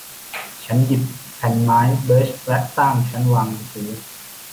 ฉันหยิบแผ่นไม้เบิร์ชและสร้างชั้นวางหนังสือ